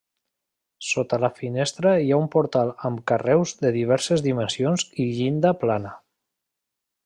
Sota la finestra hi ha un portal amb carreus de diverses dimensions i llinda plana.